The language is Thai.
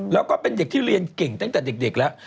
แล้วก็เป็นเด็กที่เรียนเก่งตั้งแต่เด็กแล้ว